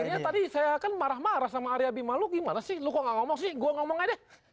akhirnya tadi saya kan marah marah sama arya bima lo gimana sih lu kok gak ngomong sih gue ngomong aja